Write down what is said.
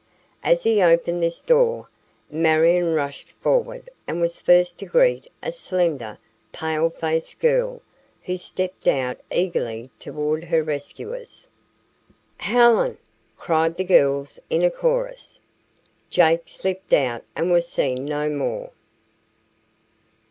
As he opened this door, Marion rushed forward and was first to greet a slender, pale faced girl, who stepped out eagerly toward her rescuers. "Helen!" cried the girls in a chorus. Jake slipped out and was seen no more.